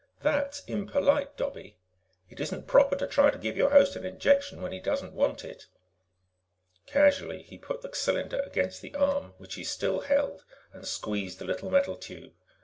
"That's impolite, Dobbie. It isn't proper to try to give your host an injection when he doesn't want it." Casually, he put the cylinder against the arm which he still held and squeezed the little metal tube.